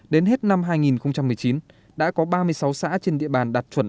đến hết năm hai nghìn một mươi chín đã có ba mươi sáu xã trên địa bàn đạt chuẩn